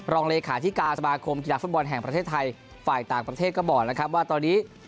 รองเลขาธิการสมาคมกีฬาฟุตบอลแห่งประเทศไทยฝ่ายต่างประเทศก็บอกแล้วครับว่าตอนนี้